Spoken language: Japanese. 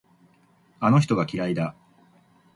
あの人が嫌いだ。